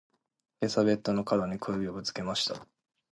今朝ベッドの角に小指をぶつけました。